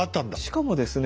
しかもですね